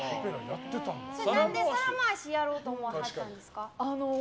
何で皿回しやろうと思いはったんですか。